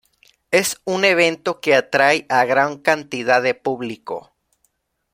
Es un evento que atrae a gran cantidad de público.